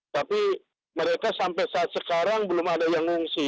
tapi mereka sampai saat sekarang belum ada yang mengungsi